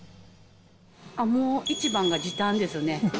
もう一番が時短ですね。